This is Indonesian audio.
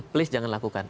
please jangan lakukan